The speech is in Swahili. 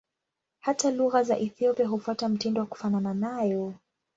Hata lugha za Ethiopia hufuata mtindo wa kufanana nayo.